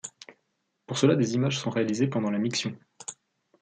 Pour cela, des images sont réalisées pendant la miction.